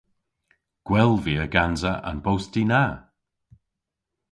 Gwell via gansa an bosti na.